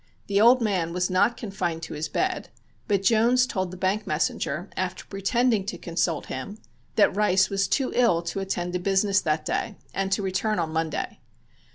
The old man was not confined to his bed, but Jones told the bank messenger, after pretending to consult him, that Rice was too ill to attend to business that day and to return on Monday.